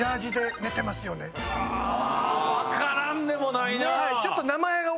分からんでもないなぁ。